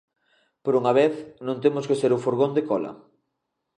"Por unha vez non temos que ser o furgón de cola".